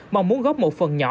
mong muốn góp một phần nhỏ